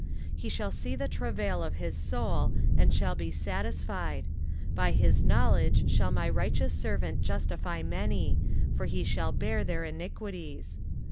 23:053:011 He shall see of the travail of his soul, and shall be satisfied: by his knowledge shall my righteous servant justify many; for he shall bear their iniquities.